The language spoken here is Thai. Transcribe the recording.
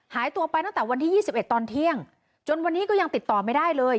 หายตัวไปตั้งแต่วันที่๒๑ตอนเที่ยงจนวันนี้ก็ยังติดต่อไม่ได้เลย